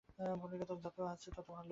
কলিকাতার যত কাছে হয় ততই ভাল।